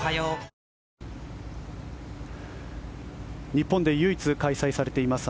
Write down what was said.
日本で唯一開催されています